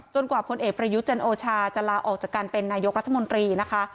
กว่าพลเอกประยุทธ์จันโอชาจะลาออกจากการเป็นนายกรัฐมนตรีนะคะ